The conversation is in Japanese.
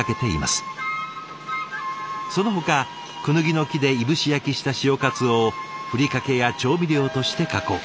そのほかクヌギの木でいぶし焼きした潮かつおをふりかけや調味料として加工。